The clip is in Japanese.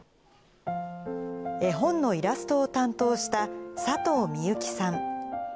絵本のイラストを担当した、サトウミユキさん。